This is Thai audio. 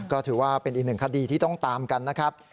ก็ถือว่าเป็นอีกหนึ่งคดีที่ต้องตามกันนะครับ